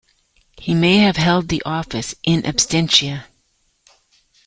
He may have held the office "in absentia".